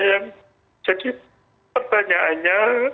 cuma saya yang jadi perbanyakannya